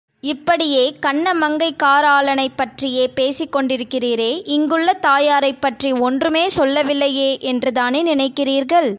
இப்படியே கண்ணமங்கைக் காராளனைப் பற்றியே பேசிக்கொண்டிருக்கிறீரே, இங்குள்ளதாயாரைப் பற்றி ஒன்றுமே சொல்லவில்லையே என்றுதானே நினைக்கிறீர்கள்.